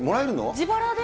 自腹で。